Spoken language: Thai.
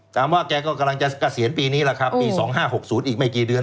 ถามว่าแกก็กำลังจะเกษียณปีนี้แหละครับปี๒๕๖๐อีกไม่กี่เดือน